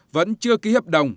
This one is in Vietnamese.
vẫn chưa ký hợp đồng